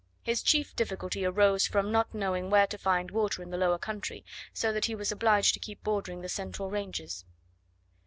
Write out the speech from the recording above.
His chief difficulty arose from not knowing where to find water in the lower country, so that he was obliged to keep bordering the central ranges.